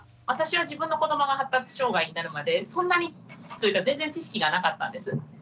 私は自分の子どもが発達障害になるまでそんなにというか全然知識がなかったんです。